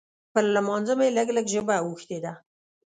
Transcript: پر لمانځه مې لږ لږ ژبه اوښتې ده.